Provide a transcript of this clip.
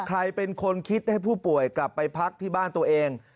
ใครเป็นคนคิดให้ผู้ป่วยกลับไปพักที่บ้านตัวเอง